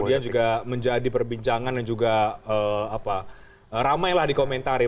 kemudian juga menjadi perbincangan dan juga ramailah di komentar ya